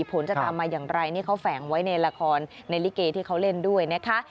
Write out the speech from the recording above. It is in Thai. ผลจะตามมาอย่างไรนี่เขาแฝงไว้ในละครในลิเกที่เขาเล่นด้วยนะคะ